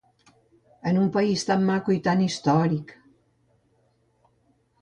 En un país tan maco i tan històric…